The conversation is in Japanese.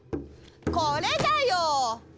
これだよ！